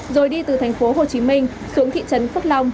rồi đi từ thành phố hồ chí minh xuống thị trấn phước long